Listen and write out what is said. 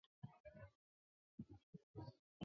弗莱舍曼已经结婚并且有三个儿子。